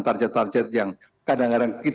target target yang kadang kadang kita